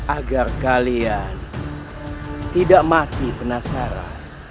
agar kalian tidak mati penasaran